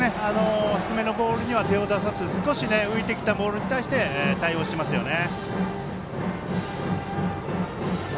低めのボールには手を出さず少し浮いてきたボールに対して対応していますね。